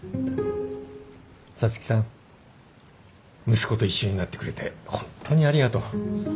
息子と一緒になってくれて本当にありがとう。